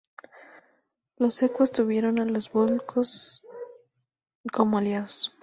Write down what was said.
Los ecuos tuvieron a los volscos como aliados.